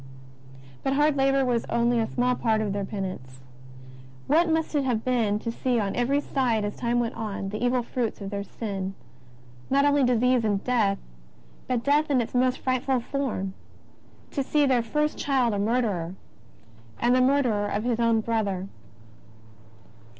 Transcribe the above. But hard labour was only a small part of their pen ance. What must it have been to see on every side, as time went on, the evil fruits of their sin ; not only dis ease and death, but death in its most frightful form — to see their first child a murderer, and the murderer of his 32 JESUS OF NAZAKETH. brother!